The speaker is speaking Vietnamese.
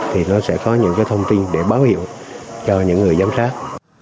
thì nó sẽ có những thông tin để báo hiệu cho những người giám sát